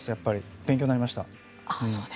勉強になりました。